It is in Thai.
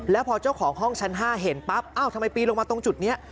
แล้วพอเจ้าของห้องชั้น๕เห็นปั๊บเอ้าทำไมปีนลงมาตรงจุดนี้